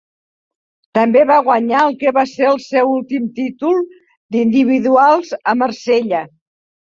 També va guanyar el que va ser el seu últim títol d'individuals a Marsella.